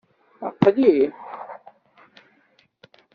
Aql-i!